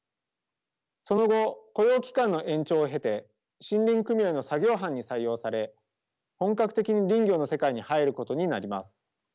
その後雇用期間の延長を経て森林組合の作業班に採用され本格的に林業の世界に入ることになります。